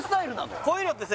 こういうのってさ